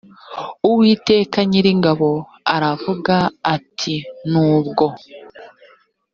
uwiteka nyiringabo aravuga ati nubwo